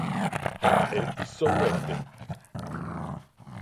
Ha’e isoguete.